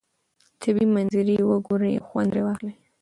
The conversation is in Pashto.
طبیعي منظرې وګورئ او خوند ترې واخلئ.